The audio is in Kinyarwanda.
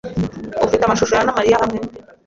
Ufite amashusho ya na Mariya hamwe?